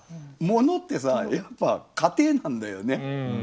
ものってさやっぱ過程なんだよね。